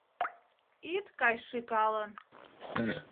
Ит кай шӱкалын —